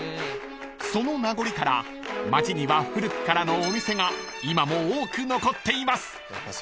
［その名残から街には古くからのお店が今も多く残っています］